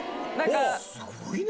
すごいな。